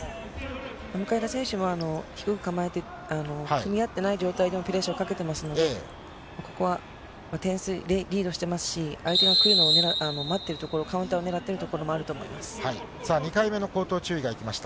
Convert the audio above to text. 向田選手も低く構えて組み合ってない状態でもプレッシャーをかけていますので、ここは点数でリードしてますし、相手の組みを待っているところ、カウンターを狙っているところもさあ、２回目の口頭注意がいきました。